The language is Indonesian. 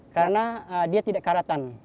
karena dia tidak karatan